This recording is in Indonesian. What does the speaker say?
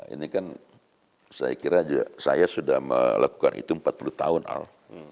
ini kan saya kira saya sudah melakukan itu empat puluh tahun al